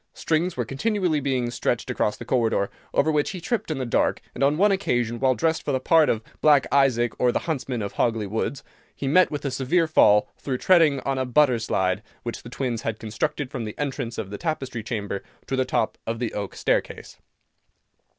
Strings were continually being stretched across the corridor, over which he tripped in the dark, and on one occasion, while dressed for the part of "Black Isaac, or the Huntsman of Hogley Woods," he met with a severe fall, through treading on a butter slide, which the twins had constructed from the entrance of the Tapestry Chamber to the top of the oak staircase.